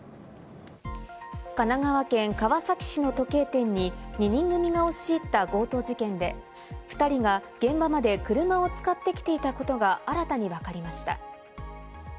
神奈川県川崎市の時計店に２人組が押し入った強盗事件で、２人が現場まで車を使ってきていたことが新たにわかりました。